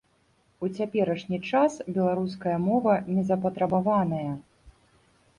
У цяперашні час беларуская мова незапатрабаваная.